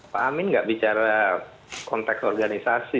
pak amin nggak bicara konteks organisasi